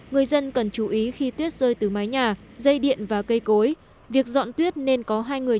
người dân cần chú ý khi tuyết rơi từ mái nhà dây điện và cây cối việc dọn tuyết nên có hai người